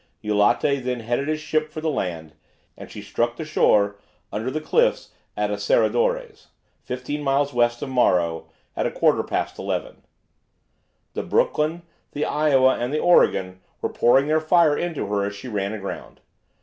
Eulate then headed his ship for the land, and she struck the shore under the cliffs at Asseradores, fifteen miles west of Morro, at a quarter past eleven. The "Brooklyn," the "Iowa," and the "Oregon" were pouring their fire into her as she ran aground.